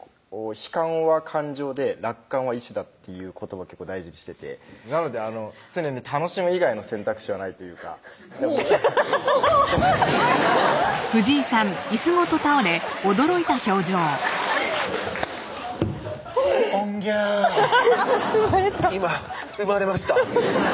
悲観は感情で楽観は意思だっていう言葉結構大事にしててなので常に楽しむ以外の選択肢はないというかオンギャー生まれた今生まれました